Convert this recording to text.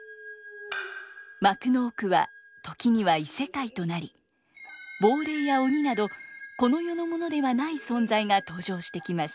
幕の奥は時には異世界となり亡霊や鬼などこの世のものではない存在が登場してきます。